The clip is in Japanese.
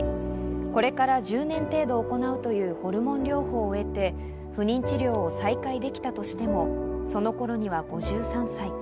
これから１０年程度行うというホルモン療法を経て、不妊治療を再開できたとしても、その頃には５３歳。